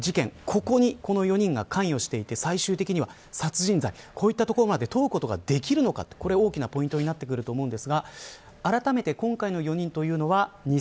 ここにこの４人が関与していて最終的には殺人罪こういったところまで問うことができるのかが大きなポイントになってくると思います。